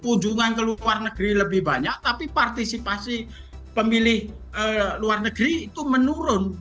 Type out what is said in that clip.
kunjungan ke luar negeri lebih banyak tapi partisipasi pemilih luar negeri itu menurun